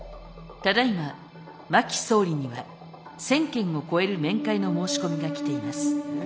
ただいま真木総理には１，０００件を超える面会の申し込みが来ています。